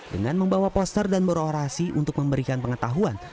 dengan membawa poster dan berorasi untuk memberikan pengetahuan